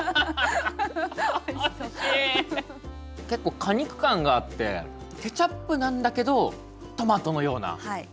結構果肉感があってケチャップなんだけどトマトのような。